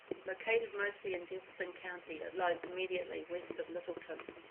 Located mostly in Jefferson County, it lies immediately west of Littleton.